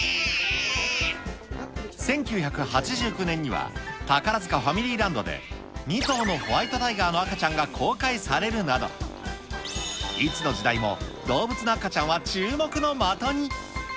１９８９年には、宝塚ファミリーランドで、２頭のホワイトタイガーの赤ちゃんが公開されるなど、いつの時代も動物の赤ちゃんは注目の的に。